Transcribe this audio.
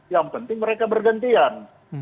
yang penting mereka bergantian